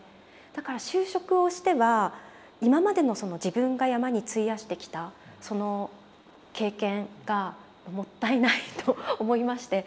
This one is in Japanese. だから就職をしては今までのその自分が山に費やしてきたその経験がもったいないと思いまして。